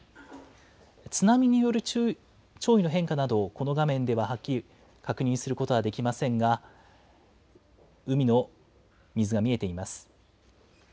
津波による潮位の変化など、この画面でははっきり確認することはできませんが、海の水が見えています。